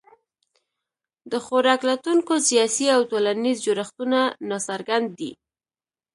د خوراک لټونکو سیاسي او ټولنیز جوړښتونه ناڅرګند دي.